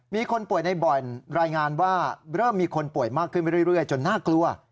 มีคนป่วยในบ่อนรายงานว่าเริ่มมีคนป่วยมากขึ้นไปเรื่อยจนน่ากลัว